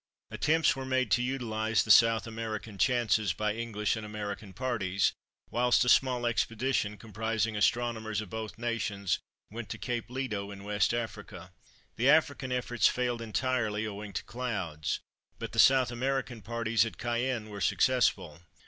Attempts were made to utilise the South American chances by English and American parties, whilst a small expedition comprising astronomers of both nations went to Cape Ledo in West Africa. The African efforts failed entirely owing to clouds, but the South American parties at Cayenne were successful.